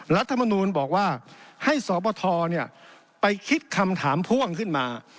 รัฐมนูลบอกว่าให้สบทไปคิดคำถามพ่วงขึ้นมา